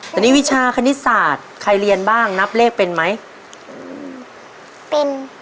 แต่นี่วิชาคณิตศาสตร์ใครเรียนบ้างนับเลขเป็นไหมเป็น